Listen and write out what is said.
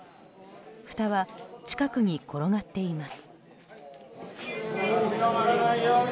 蓋は近くに転がっています。